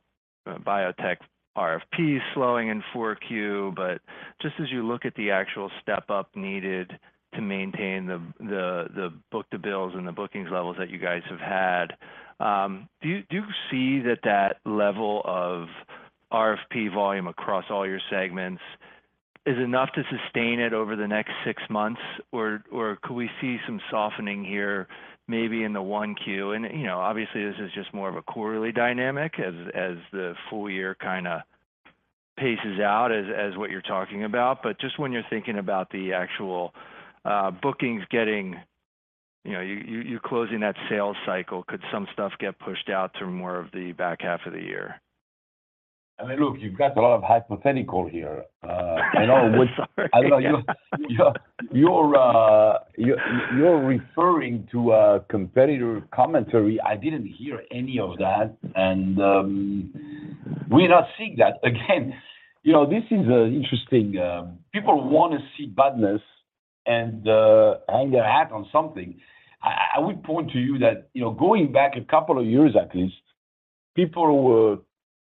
S8: biotech RFPs slowing in 4Q. But just as you look at the actual step-up needed to maintain the book-to-bill and the bookings levels that you guys have had, do you see that that level of RFP volume across all your segments is enough to sustain it over the next six months? Or could we see some softening here, maybe in the 1Q? And, you know, obviously, this is just more of a quarterly dynamic as the full year kind of paces out as what you're talking about. But just when you're thinking about the actual bookings getting, you know, you closing that sales cycle, could some stuff get pushed out to more of the back half of the year?
S3: I mean, look, you've got a lot of hypothetical here,
S8: Sorry
S3: I know you're referring to a competitor commentary. I didn't hear any of that, and we're not seeing that. Again, you know, this is interesting. People want to see bad news and hang their hat on something. I would point to you that, you know, going back a couple of years at least, people were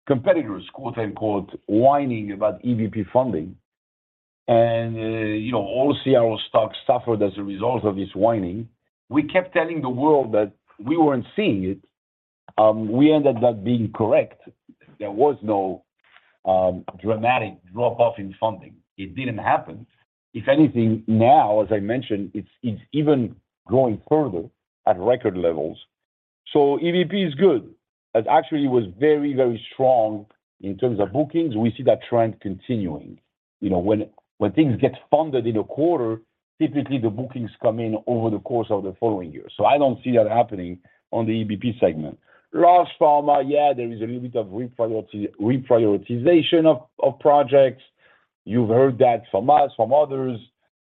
S3: competitors, quote-unquote, "whining" about EVP funding. And you know, all CRO stocks suffered as a result of this whining. We kept telling the world that we weren't seeing it. We ended up being correct. There was no dramatic drop-off in funding. It didn't happen. If anything, now, as I mentioned, it's even growing further at record levels. So EBP is good, and actually was very, very strong in terms of bookings. We see that trend continuing. You know, when things get funded in a quarter, typically the bookings come in over the course of the following year, so I don't see that happening on the EBP segment. Large pharma, yeah, there is a little bit of reprioritization of projects. You've heard that from us, from others,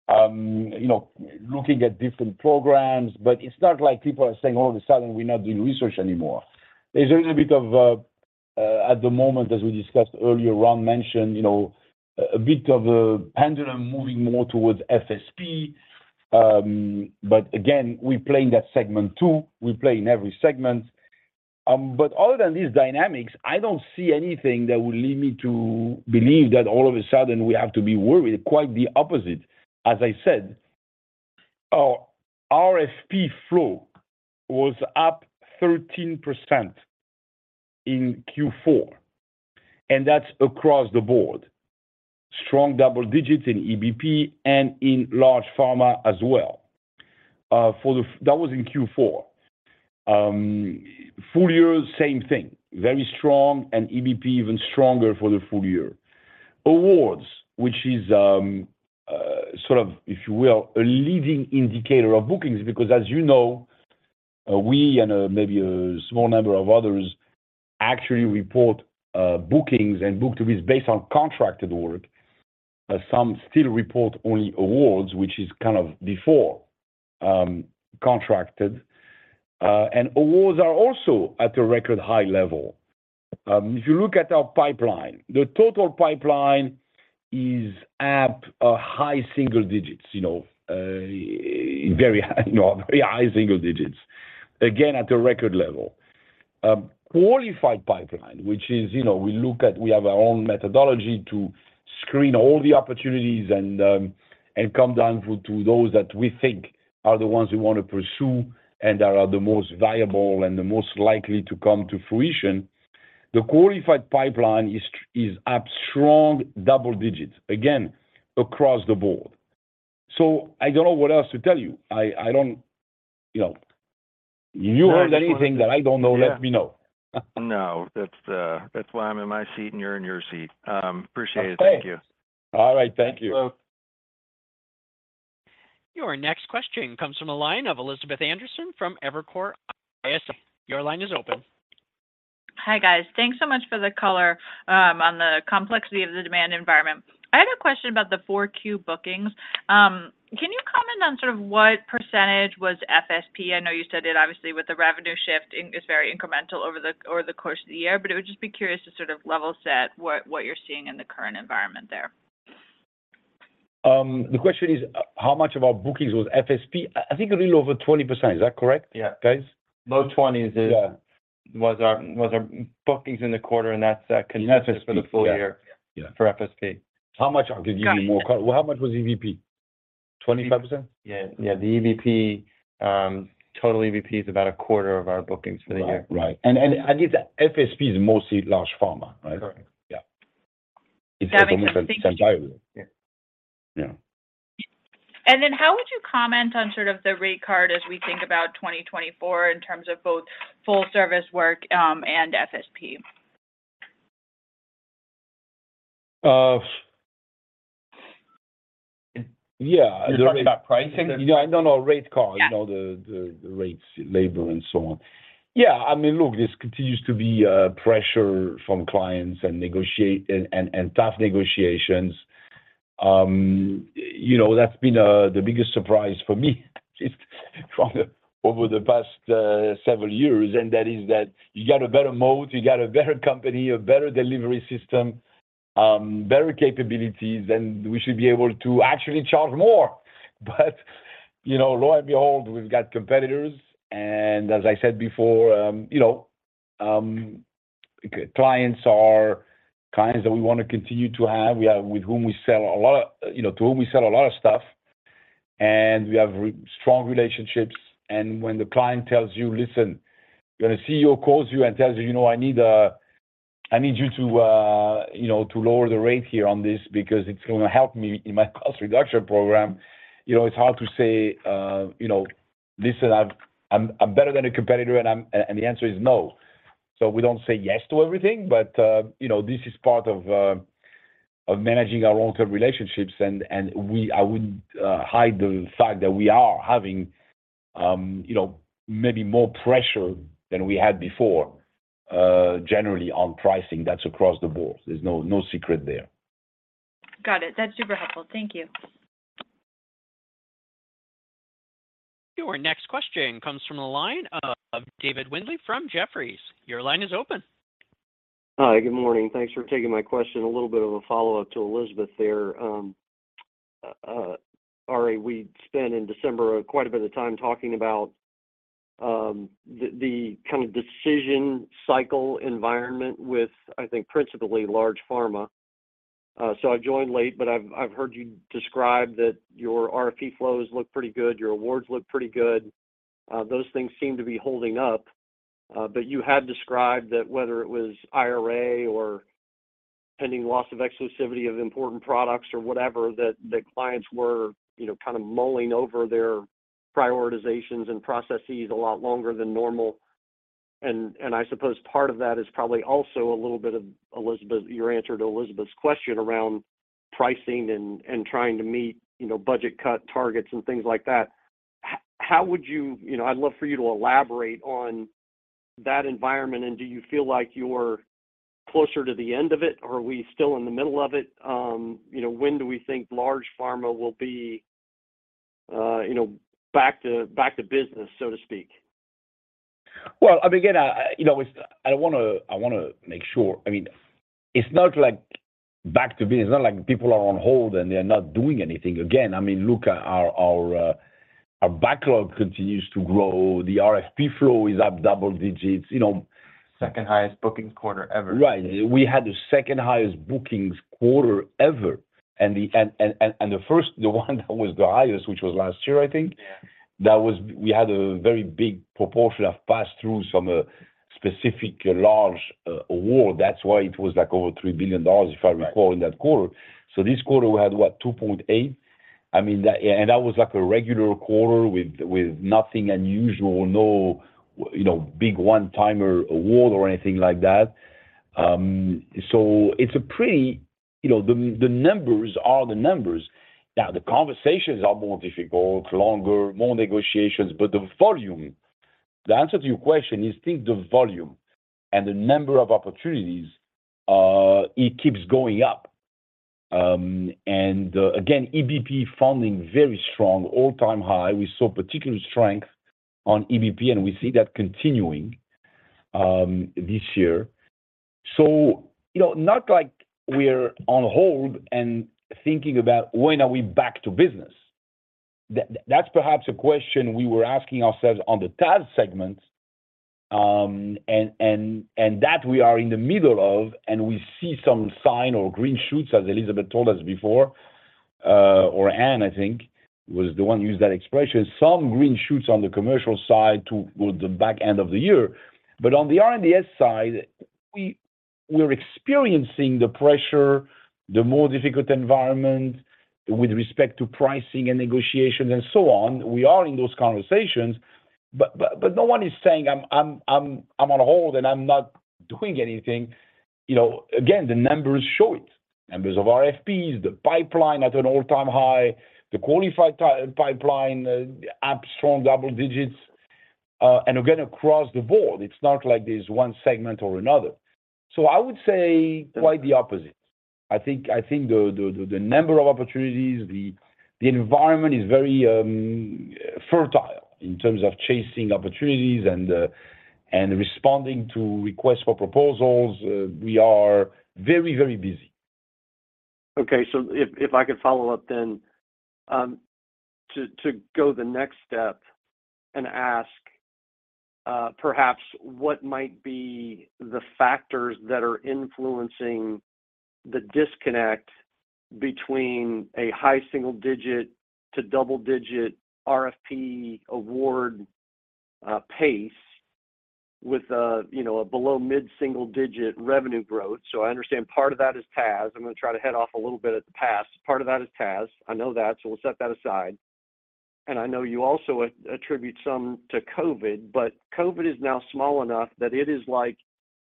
S3: you know, looking at different programs, but it's not like people are saying all of a sudden, "We're not doing research anymore." There's a little bit of at the moment, as we discussed earlier, Ron mentioned, you know, a bit of a pendulum moving more towards FSP. But again, we play in that segment, too. We play in every segment. But other than these dynamics, I don't see anything that would lead me to believe that all of a sudden we have to be worried. Quite the opposite. As I said, our RFP flow was up 13% in Q4, and that's across the board. Strong double digits in EBP and in large pharma as well. That was in Q4. Full year, same thing, very strong, and EBP even stronger for the full year. Awards, which is sort of, if you will, a leading indicator of bookings, because as you know, we and maybe a small number of others actually report bookings and book-to-bill based on contracted work. But some still report only awards, which is kind of before contracted. And awards are also at a record high level. If you look at our pipeline, the total pipeline is at high single digits, you know, very high single digits. Again, at a record level. Qualified pipeline, which is, you know, we look at. We have our own methodology to screen all the opportunities and come down to those that we think are the ones we want to pursue, and that are the most viable and the most likely to come to fruition. The qualified pipeline is up strong, double digits, again, across the board. So I don't know what else to tell you. I don't, you know. If you heard anything that I don't know, let me know.
S8: No, that's why I'm in my seat and you're in your seat. Appreciate it.
S3: Okay.
S8: Thank you.
S3: All right. Thank you.
S1: Your next question comes from the line of Elizabeth Anderson from Evercore ISI. Your line is open.
S9: Hi, guys. Thanks so much for the color on the complexity of the demand environment. I had a question about the 4Q bookings. Can you comment on sort of what percentage was FSP? I know you said it obviously, with the revenue shift, it's very incremental over the course of the year, but I would just be curious to sort of level set what you're seeing in the current environment there.
S3: The question is, how much of our bookings was FSP? I think a little over 20%. Is that correct?
S4: Yeah
S3: Guys?
S4: Low 20s is-
S3: Yeah...
S4: was our bookings in the quarter, and that's, consensus-
S3: For the full year.
S4: For the full year.
S3: Yeah.
S4: For FSP.
S3: How much I could give you more?
S9: Got it.
S3: Well, how much was EBP? 25%?
S4: Yeah. Yeah, the EBP, total EBP is about a quarter of our bookings for the year.
S3: Right, right. And this FSP is mostly large pharma, right?
S4: Correct.
S3: Yeah.
S9: Got it.
S3: It's almost entirely.
S4: Yeah.
S3: Yeah.
S9: Then how would you comment on sort of the rate card as we think about 2024, in terms of both full service work and FSP?
S3: Uh, yeah.
S4: You're talking about pricing?
S3: Yeah, I don't know, rate card.
S9: Yeah.
S3: You know, the rates, labor, and so on. Yeah, I mean, look, this continues to be pressure from clients and tough negotiations. You know, that's been the biggest surprise for me, at least from over the past several years, and that is that you got a better moat, you got a better company, a better delivery system, better capabilities, and we should be able to actually charge more. But, you know, lo and behold, we've got competitors, and as I said before, you know, clients are clients that we want to continue to have, we have with whom we sell a lot, you know, to whom we sell a lot of stuff, and we have strong relationships. When the client tells you, "Listen," when a CEO calls you and tells you, "You know, I need you to, you know, to lower the rate here on this because it's going to help me in my cost reduction program," you know, it's hard to say, you know, "Listen, I'm better than a competitor, and I'm..." And the answer is no. So we don't say yes to everything, but, you know, this is part of managing our long-term relationships, and we—I wouldn't hide the fact that we are having, you know, maybe more pressure than we had before, generally on pricing. That's across the board. There's no secret there.
S9: Got it. That's super helpful. Thank you.
S1: Your next question comes from the line of David Windley from Jefferies. Your line is open.
S10: Hi, good morning. Thanks for taking my question. A little bit of a follow-up to Elizabeth there. Ari, we spent in December quite a bit of time talking about the kind of decision cycle environment with, I think, principally large pharma. So I joined late, but I've heard you describe that your RFP flows look pretty good, your awards look pretty good. Those things seem to be holding up. But you had described that whether it was IRA or pending loss of exclusivity of important products or whatever, that the clients were, you know, kind of mulling over their prioritizations and processes a lot longer than normal. I suppose part of that is probably also a little bit of Elizabeth's question around pricing and trying to meet, you know, budget cut targets and things like that. How would you—you know, I'd love for you to elaborate on that environment, and do you feel like you're closer to the end of it, or are we still in the middle of it? You know, when do we think large pharma will be back to business, so to speak?
S3: Well, again, you know, it's—I want to make sure... I mean, it's not like back to business. It's not like people are on hold, and they're not doing anything again. I mean, look at our backlog continues to grow. The RFP flow is up double digits, you know?
S2: Second highest bookings quarter ever.
S3: Right. We had the second highest bookings quarter ever, and the first, the one that was the highest, which was last year, I think?
S2: Yeah.
S3: We had a very big proportion of pass-throughs from a specific large award. That's why it was like over $3 billion.
S2: Right.
S3: If I recall, in that quarter. So this quarter, we had, what? $2.8 billion. I mean, that and that was like a regular quarter with, with nothing unusual, no, you know, big one-timer award or anything like that. So it's a pretty. You know, the numbers are the numbers. Now, the conversations are more difficult, longer, more negotiations, but the volume, the answer to your question is, think the volume and the number of opportunities, it keeps going up. And again, EBP funding, very strong, all-time high. We saw particular strength on EBP, and we see that continuing, this year. So, you know, not like we're on hold and thinking about when are we back to business? That's perhaps a question we were asking ourselves on the TAS segment, and that we are in the middle of, and we see some sign or green shoots, as Elizabeth told us before. Or Anne, I think, was the one who used that expression, some green shoots on the commercial side towards the back end of the year. But on the R&DS side, we're experiencing the pressure, the more difficult environment with respect to pricing and negotiations and so on. We are in those conversations, but no one is saying, "I'm on hold, and I'm not doing anything." You know, again, the numbers show it. Numbers of RFPs, the pipeline at an all-time high, the qualified pipeline up strong double digits. And again, across the board, it's not like there's one segment or another. So I would say quite the opposite. I think the number of opportunities, the environment is very fertile in terms of chasing opportunities and responding to requests for proposals. We are very, very busy.
S10: Okay, so if I could follow up then, to go the next step and ask, perhaps what might be the factors that are influencing the disconnect between a high single digit to double digit RFP award pace with a, you know, a below mid-single digit revenue growth. So I understand part of that is TAS. I'm going to try to head off a little bit at the TAS. Part of that is TAS. I know that, so we'll set that aside, and I know you also attribute some to COVID, but COVID is now small enough that it is like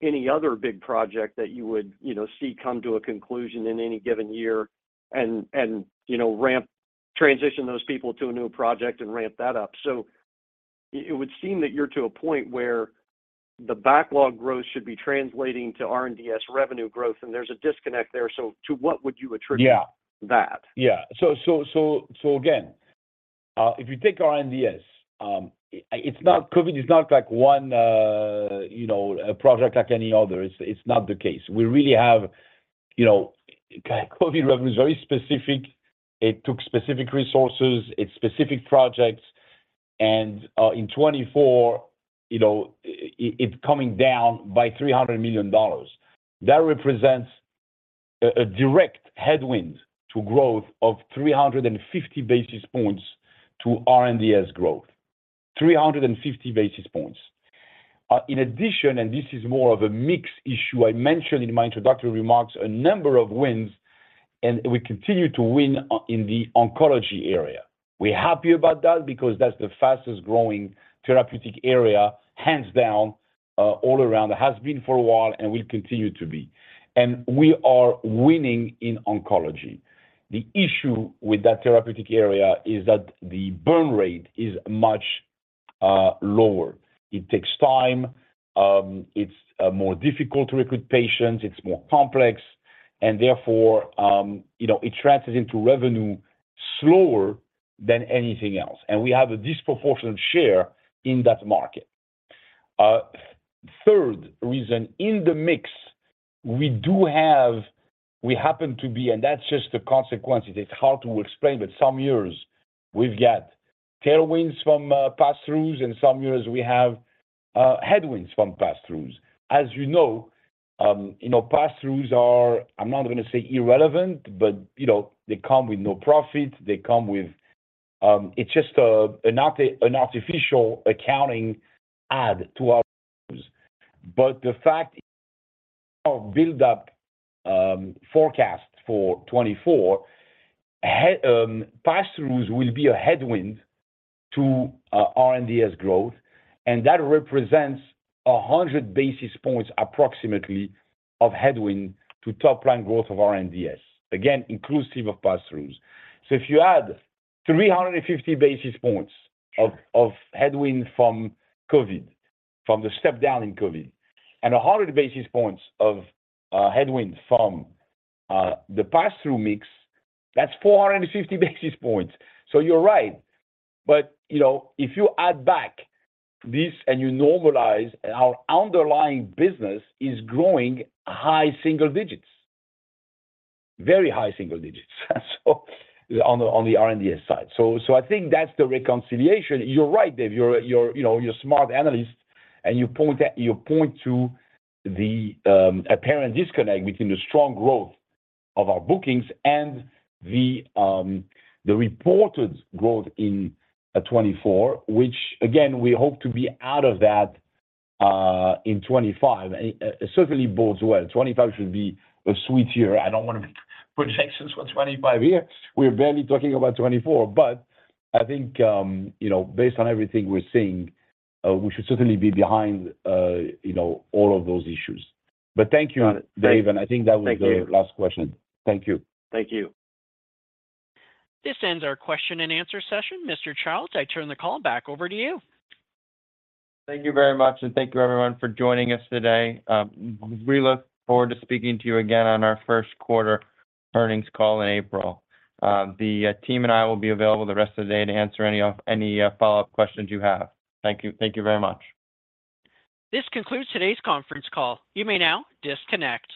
S10: any other big project that you would, you know, see come to a conclusion in any given year and, you know, ramp, transition those people to a new project and ramp that up. So it would seem that you're to a point where the backlog growth should be translating to R&DS revenue growth, and there's a disconnect there. So to what would you attribute-
S3: Yeah.
S10: -that?
S3: Yeah. So again, if you take R&DS, it's not. COVID is not like one, you know, a project like any other. It's not the case. We really have, you know, COVID revenue is very specific. It took specific resources, it's specific projects, and in 2024, you know, it's coming down by $300 million. That represents a direct headwind to growth of 350 basis points to R&DS growth. 350 basis points. In addition, and this is more of a mixed issue, I mentioned in my introductory remarks a number of wins, and we continue to win in the oncology area. We're happy about that because that's the fastest growing therapeutic area, hands down, all around. It has been for a while and will continue to be. We are winning in oncology. The issue with that therapeutic area is that the burn rate is much lower. It takes time, it's more difficult to recruit patients, it's more complex, and therefore, you know, it translates into revenue slower than anything else, and we have a disproportionate share in that market. Third reason, in the mix we do have, we happen to be, and that's just a consequence. It's hard to explain, but some years we've got tailwinds from pass-throughs, and some years we have headwinds from pass-throughs. As you know, you know, pass-throughs are, I'm not gonna say irrelevant, but, you know, they come with no profit. They come with, it's just an artificial accounting add to our. But the fact of build up forecast for 2024, higher pass-throughs will be a headwind to R&DS growth, and that represents 100 basis points, approximately, of headwind to top line growth of R&DS, again, inclusive of pass-throughs. So if you add 350 basis points of headwind from COVID, from the step down in COVID, and 100 basis points of headwind from the pass-through mix, that's 450 basis points. So you're right. But, you know, if you add back this, and you normalize, our underlying business is growing high single digits. Very high single digits, so on the R&DS side. So I think that's the reconciliation. You're right, David, you're, you know, you're a smart analyst, and you point to the apparent disconnect between the strong growth of our bookings and the reported growth in 2024, which again, we hope to be out of that in 2025. And it certainly bodes well. 2025 should be a sweet year. I don't want to make projections for 2025 here. We're barely talking about 2024. But I think, you know, based on everything we're seeing, we should certainly be behind, you know, all of those issues. But thank you, David, and I think that was the last question. Thank you.
S10: Thank you.
S1: This ends our question and answer session. Mr. Childs, I turn the call back over to you.
S2: Thank you very much, and thank you everyone for joining us today. We look forward to speaking to you again on our first quarter earnings call in April. The team and I will be available the rest of the day to answer any follow-up questions you have. Thank you, thank you very much.
S1: This concludes today's conference call. You may now disconnect.